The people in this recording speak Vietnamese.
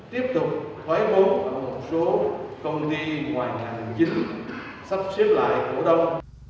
tiếp tục khói hốp một số công ty ngoài ngành dân sắp xếp lại cổ đông